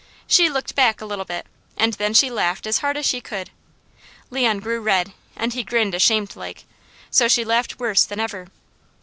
She looked back a little bit, and then she laughed as hard as she could. Leon grew red, and he grinned ashamed like, so she laughed worse than ever.